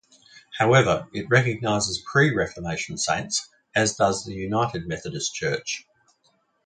However, it recognizes pre-Reformation saints, as does the United Methodist Church.